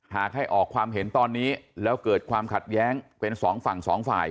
หากให้ออกความเห็นตอนนี้แล้วเกิดความขัดแย้งเป็นสองฝั่งสองฝ่าย